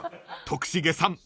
［徳重さん